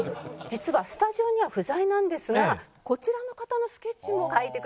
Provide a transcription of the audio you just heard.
実はスタジオには不在なんですがこちらの方のスケッチも描いてくださったそうです。